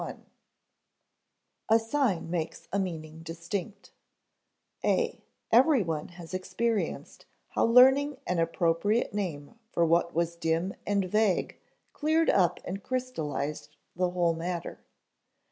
[Sidenote: A sign makes a meaning distinct] (a) Every one has experienced how learning an appropriate name for what was dim and vague cleared up and crystallized the whole matter.